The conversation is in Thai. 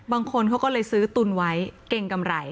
บางคนเขาก็เลยซื้อตุนไว้เก่งกำไร